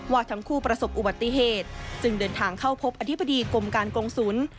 ว่าทั้งคู่ประสบอุบัติเหตุจึงเดินทางเข้าพบอธิบดีกรมการกงศูนย์